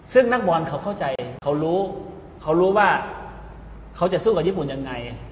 ซึ่งนักบอลเขาเข้าใจเขารู้เขารู้ว่าเขาจะสู้กับญี่ปุ่นยังไง